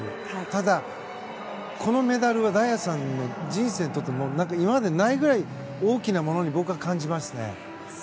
ただ、このメダルは大也さんの人生にとって今までないぐらい大きなものに僕は感じますね。